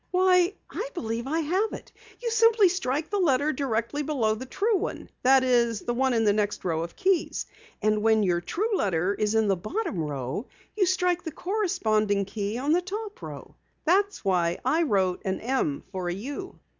"Why, I believe I have it! You simply strike the letter directly below the true one that is, the one in the next row of keys. And when your true letter is in the bottom row, you strike the corresponding key on the top row. That's why I wrote an M for a U!"